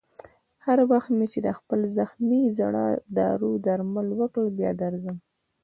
هر وخت مې چې د خپل زخمي زړه دارو درمل وکړ، بیا درځم.